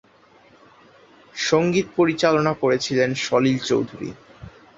সঙ্গীত পরিচালনা করেছিলেন সলিল চৌধুরী।